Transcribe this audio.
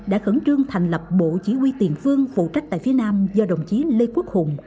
đã khẩn trương thành lập bộ chỉ huy tiền phương phụ trách tại phía nam do đồng chí lê quốc hùng